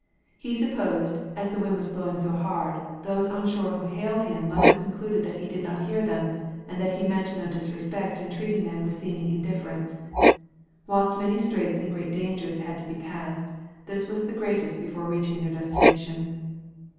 He supposed, as the wind was blowing so hard, those on shore who hailed him must have concluded that he did not hear them and that he meant no disrespect in treating them with seeming indifference. Whilst many straits and great dangers had to be passed, this was the greatest before reaching their destination.